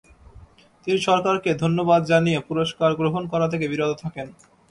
তিনি সরকারকে ধন্যবাদ জানিয়ে পুরস্কার গ্রহণ করা থেকে বিরত থাকেন।